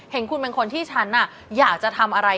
เห็นคุณเป็นคนที่ฉันอยากจะทำอะไร